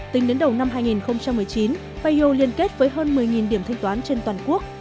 tính đến đầu năm hai nghìn một mươi chín payo liên kết với hơn một mươi điểm thanh toán trên toàn quốc